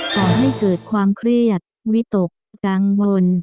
ก่อให้เกิดความเครียดวิตกกังวล